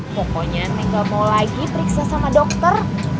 pokoknya tinggal mau lagi periksa sama dokter